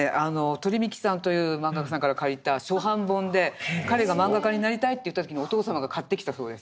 とり・みきさんというマンガ家さんから借りた初版本で彼がマンガ家になりたいと言った時にお父様が買ってきたそうです。